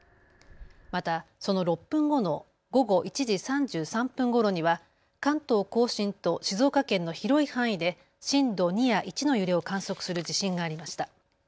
また、その６分後の午後１時３３分ごろには関東甲信と静岡県の広い範囲で震度２や１の揺れを観測する地震がありました。